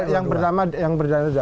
yang pertama yang berdana dua